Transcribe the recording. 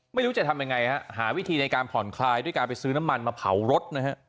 ไม่รู้จะทำยังไงฮะหาวิธีในการผ่อนคลายด้วยการไปซื้อน้ำมันมาเผารถนะฮะ